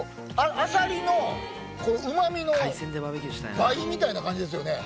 アサリのこのうま味の倍みたいな感じですよね。